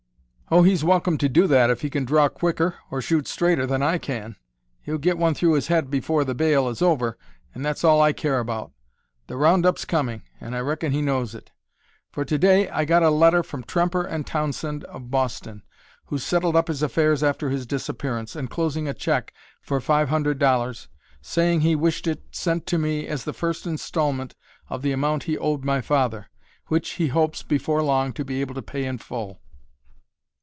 "Oh, he's welcome to do that if he can draw quicker or shoot straighter than I can. He'll get one through his head before the baile is over, and that's all I care about. The round up's coming, and I reckon he knows it. For to day I got a letter from Tremper & Townsend of Boston, who settled up his affairs after his disappearance, enclosing a check for five hundred dollars, saying he wished it sent to me as the first instalment of the amount he owed my father, which he hopes, before long, to be able to pay in full."